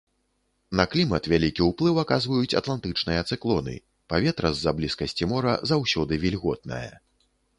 На клімат вялікі ўплыў аказваюць атлантычныя цыклоны, паветра з-за блізкасці мора заўсёды вільготнае.